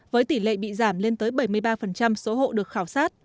với tỷ lệ bị giảm lên tới bảy mươi ba số hộ được khảo sát